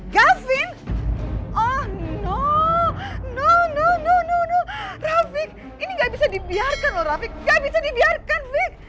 gak bisa dibiarkan